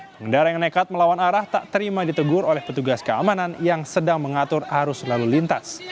pengendara yang nekat melawan arah tak terima ditegur oleh petugas keamanan yang sedang mengatur arus lalu lintas